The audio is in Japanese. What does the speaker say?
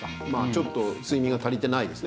ちょっと睡眠が足りてないですね